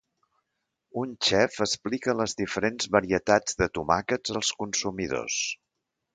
Un xef explica les diferents varietats de tomàquets als consumidors.